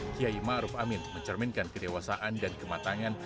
kiai ma'ruf amin mencerminkan kedewasaan dan kematangan